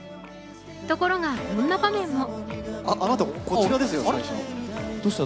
ところが、こんな場面も。